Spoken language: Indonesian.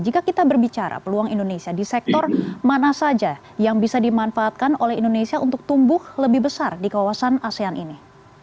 jika kita berbicara peluang indonesia di sektor mana saja yang bisa dimanfaatkan oleh indonesia untuk tumbuh lebih besar di kawasan asean ini